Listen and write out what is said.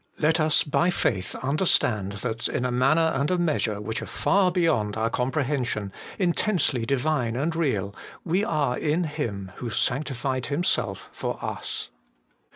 Let us by faith understand that, in a manner and a measure which are far beyond our compre hension, intensely Divine and real, we are in Him who sanctified Himself for us.